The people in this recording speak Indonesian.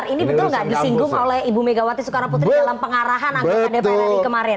ini betul gak disinggung oleh ibu megawati soekarnoputri dalam pengarahan anggota dprnl kemarin